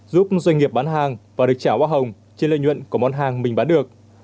giúp doanh nghiệp bán hàng và được trả hoa hồng trên lợi nhuận của món hàng mình bán được